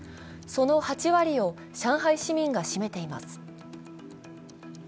その８割を上海市民が占めています